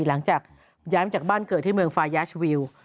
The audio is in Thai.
หลังจากย้ายมาจากบ้านเกิดที่เมืองฟายาชวิว